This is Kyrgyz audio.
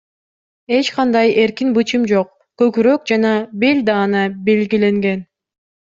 Эч кандай эркин бычым жок, көкүрөк жана бел даана белгиленген.